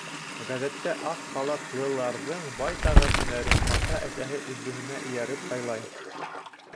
Ғәҙәттә, аҡ халатлыларҙың байтағы һөнәрен ата-әсәһе өлгөһөнә эйәреп һайлай.